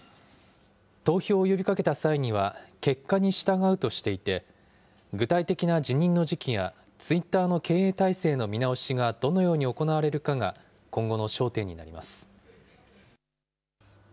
投票を呼びかけた際には結果に従うとしていて、具体的な辞任の時期や、ツイッターの経営体制の見直しがどのように行われるかが今後の焦点になります。